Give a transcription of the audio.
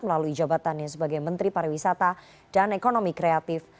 melalui jabatannya sebagai menteri pariwisata dan ekonomi kreatif